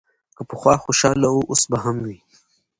که پخوا خوشاله و، اوس به هم وي.